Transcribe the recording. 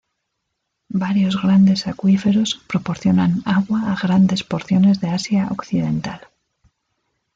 Varios grandes acuíferos proporcionan agua a grandes porciones de Asia Occidental.